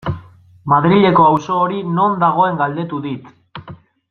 Madrileko auzo hori non dagoen galdetu dit.